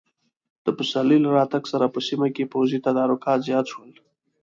د پسرلي له راتګ سره په سیمه کې پوځي تدارکات زیات شول.